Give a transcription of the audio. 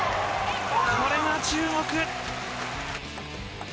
これが中国。